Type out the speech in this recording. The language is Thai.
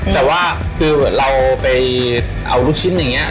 แต่ว่าคือเราไปเอาลูกชิ้นอย่างนี้